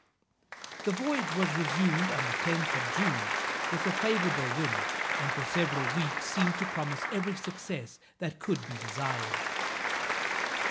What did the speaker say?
The voyage was resumed on the 10th of June, with a favorable wind, and for several weeks, seemed to promise every success that could be desired.